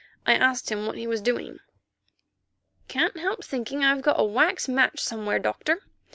I asked him what he was doing. "Can't help thinking I've got a wax match somewhere, Doctor.